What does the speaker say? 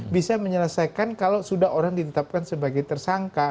bisa menyelesaikan kalau sudah orang ditetapkan sebagai tersangka